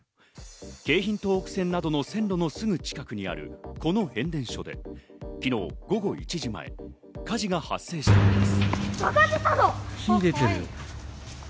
京浜東北線などの線路のすぐ近くにあるこの変電所で昨日午後１時前、火事が発生したのです。